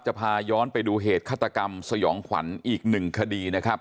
พาย้อนไปดูเหตุฆาตกรรมสยองขวัญอีกหนึ่งคดีนะครับ